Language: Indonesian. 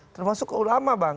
termasuk ulama bang